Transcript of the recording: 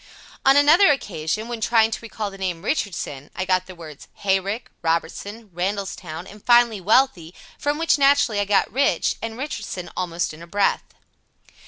On another occasion, when trying to recall the name "Richardson," I got the words "hay rick," "Robertson," "Randallstown," and finally "wealthy," from which, naturally, I got "rich" and "Richardson" almost in a breath.